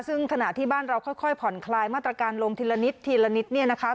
ซึ่งขณะที่บ้านเราค่อยผ่อนคลายมาตรการลงทีละนิดทีละนิดเนี่ยนะคะ